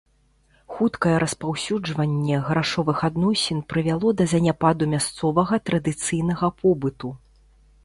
Хуткае распаўсюджванне грашовых адносін прывяло да заняпаду мясцовага традыцыйнага побыту.